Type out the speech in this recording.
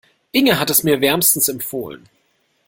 Inge hat es mir wärmstens empfohlen.